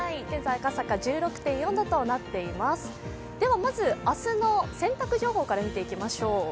現在、赤坂１６．４度となっていますでは、まず明日の洗濯情報から見ていきましょう。